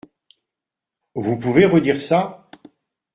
Vous pouvez redire ça ?